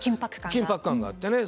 緊迫感があってね。